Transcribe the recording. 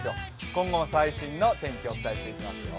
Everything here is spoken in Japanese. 今後最新の天気をお伝えしていきますよ。